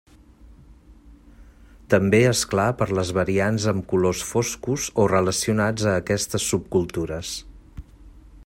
També, és clar; per les variants amb colors foscos o relacionats a aquestes subcultures.